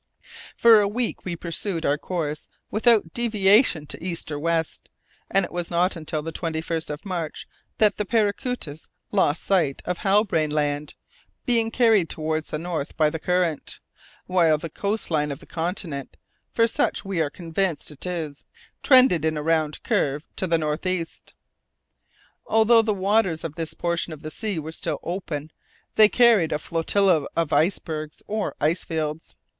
For a week we pursued our course without deviation to east or west, and it was not until the 21st of March that the Paracuta lost sight of Halbrane Land, being carried towards the north by the current, while the coast line of the continent, for such we are convinced it is, trended in a round curve to the north east. Although the waters of this portion of sea were still open, they carried a flotilla of icebergs or ice fields.